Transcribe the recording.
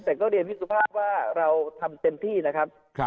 แต่ก็เรียนพี่สุภาพว่าเราทำเต็มที่นะครับ